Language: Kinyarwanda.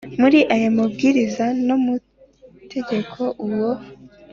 muri aya Mabwiriza no mu Itegeko Uwo